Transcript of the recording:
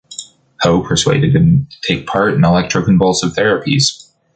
Hoe persuaded him to take part in electroconvulsive therapies.